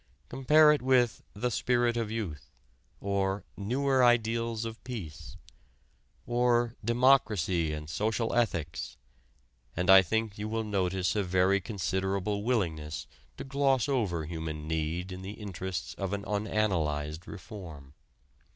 Compare it with "The Spirit of Youth" or "Newer Ideals of Peace" or "Democracy and Social Ethics" and I think you will notice a very considerable willingness to gloss over human need in the interests of an unanalyzed reform.